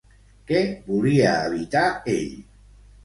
Què volia evitar ell?